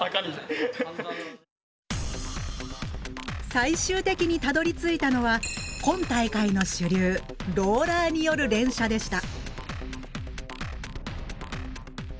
最終的にたどりついたのは今大会の主流ローラーによる連射でした。